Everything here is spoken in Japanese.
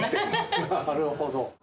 なるほど。